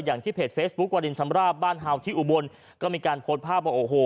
อย่างที่เพจเฟซบุ๊ควารินชำราบบ้านเห่าที่อุบลก็มีการโพสต์ภาพว่าโอ้โห